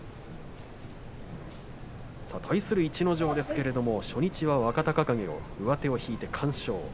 対する逸ノ城ですけども初日は若隆景、上手を引いて完勝。